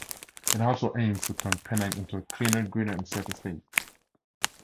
It also aims to turn Penang into a cleaner, greener and safer state.